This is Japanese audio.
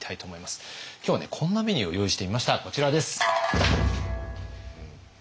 今日はねこんなメニューを用意してみましたこちらです。